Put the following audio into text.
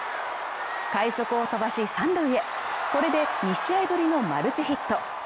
快足を飛ばし３塁へこれで２試合ぶりのマルチヒット。